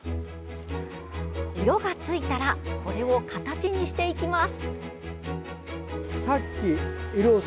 色がついたらこれを形にしていきます。